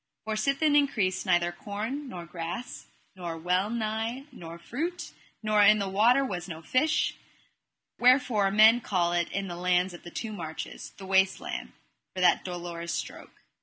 For sithen increased neither corn, nor grass, nor well nigh no fruit, nor in the water was no fish; wherefore men call it the lands of the two marches, the waste land, for that dolorous stroke.